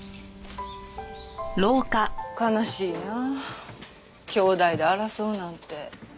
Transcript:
悲しいなあ兄弟で争うなんて。